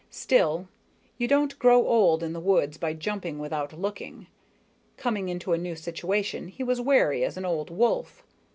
Still, you don't grow old in the woods by jumping without looking. Coming into a new situation, he was wary as an old wolf.